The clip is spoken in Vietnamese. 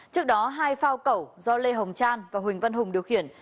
trước đó hai phao cẩu do lê hồng trang và huỳnh văn hùng điều khiển